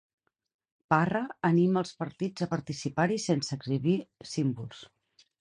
Parra anima els partits a participar-hi sense exhibir símbols.